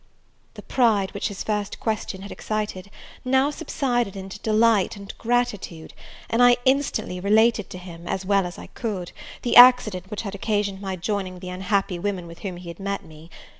The pride which his first question had excited, now subsided into delight and gratitude; and I instantly related to him, as well as I could, the accident which had occasioned my joining the unhappy women with whom he had met me.